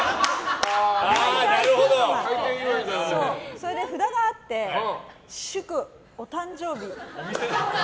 それで札があって祝お誕生日。